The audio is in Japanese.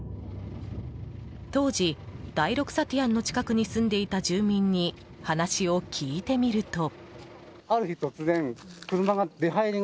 当時、第６サティアンの近くに住んでいた住民に話を聞いてみると。